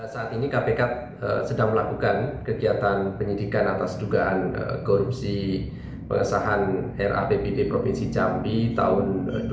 saat ini kpk sedang melakukan kegiatan penyidikan atas dugaan korupsi pengesahan rapbd provinsi jambi tahun dua ribu tujuh belas dua ribu delapan belas